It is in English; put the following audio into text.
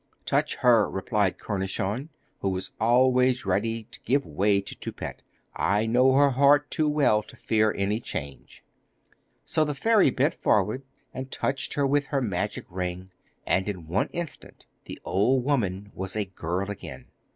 'Touch her,' replied Cornichon, who was always ready to give way to Toupette. 'I know her heart too well to fear any change.' So the fairy bent forward and touched her with her magic ring, and in one instant the old woman was a girl again.